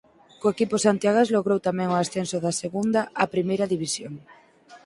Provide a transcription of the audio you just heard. Co equipo santiagués logrou tamén o ascenso da Segunda á Primeira división.